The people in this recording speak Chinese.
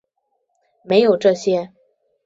没有这些